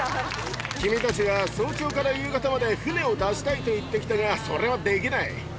君たちが早朝から夕方まで、船を出したいと言ってきたが、それはできない。